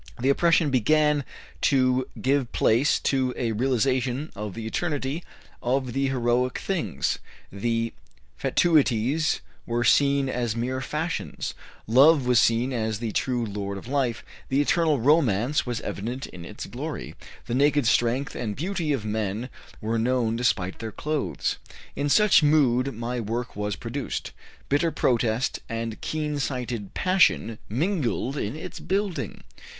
The oppression began to give place to a realization of the eternity of the heroic things; the fatuities were seen as mere fashions; love was seen as the true lord of life; the eternal romance was evident in its glory; the naked strength and beauty of men were known despite their clothes. In such mood my work was produced; bitter protest and keen sighted passion mingled in its building.